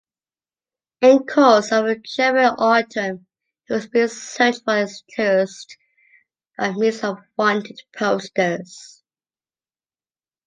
In course of the German Autumn, he was being searched for as a terrorist by means of wanted posters.